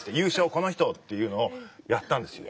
この人っていうのをやったんですよ。